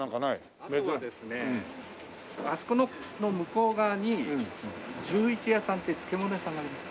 あとはですねあそこの向こう側に十一屋さんって漬物屋さんがあります。